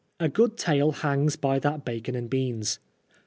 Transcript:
A good tale hangs by that bacon and beans.